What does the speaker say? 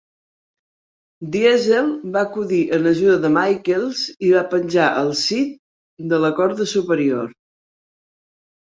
Diesel va acudir en ajuda de Michaels i va penjar el Sid de la corda superior.